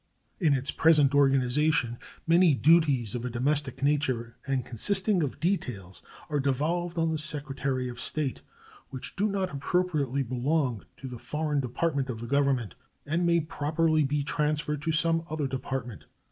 In its present organization many duties of a domestic nature and consisting of details are devolved on the Secretary of State, which do not appropriately belong to the foreign department of the Government and may properly be transferred to some other Department.